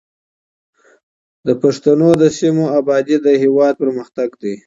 د پښتنو د سیمو ابادي د هېواد پرمختګ دی.